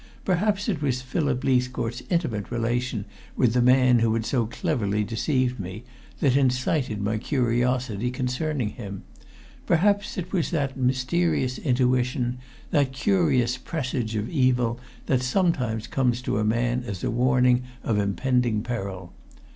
Perhaps it was Philip Leithcourt's intimate relation with the man who had so cleverly deceived me that incited my curiosity concerning him; perhaps it was that mysterious intuition, that curious presage of evil that sometimes comes to a man as warning of impending peril.